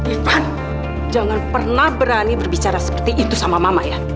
ivan jangan pernah berani berbicara seperti itu sama mama ya